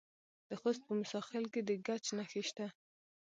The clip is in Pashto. د خوست په موسی خیل کې د ګچ نښې شته.